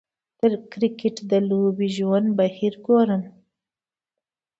د کریکټ د لوبې ژوندی بهیر ګورم